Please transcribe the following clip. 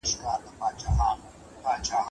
د سرطان راپورونه باید عام شي.